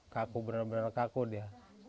kaku bener bener kaku dia